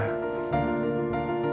ya udah berarti